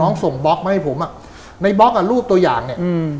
ส่งบล็อกมาให้ผมอ่ะในบล็อกอ่ะรูปตัวอย่างเนี้ยอืม